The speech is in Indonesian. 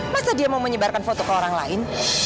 masa dia mau menyebarkan foto ke orang lain